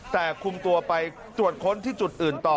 แต่คุมตัวไปตรวจค้นที่จุดอื่นต่อ